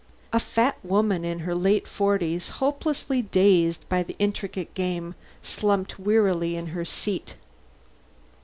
A fat woman in her late forties, hopelessly dazed by the intricate game, slumped wearily in her seat.